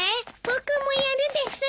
僕もやるです。